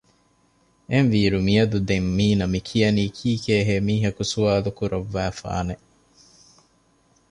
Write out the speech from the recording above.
އެހެންވީ އިރު މިއަދު ދެން މީނަ މި ކިޔަނީ ކީކޭހޭ މީހަކު ސުވާލުކުރައްވައިފާނެ